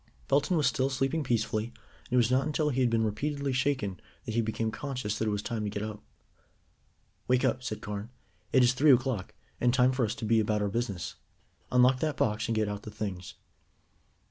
Belton was still sleeping peacefully, and it was not until he had been repeatedly shaken that he became conscious that it was time to get up. "Wake up," said Carne; "it is three o'clock, and time for us to be about our business. Unlock that box, and get out the things."